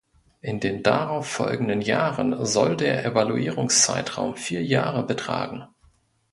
In den darauf folgenden Jahren soll der Evaluierungszeitraum vier Jahre betragen.